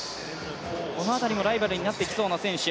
この辺りもライバルになってきそうな選手。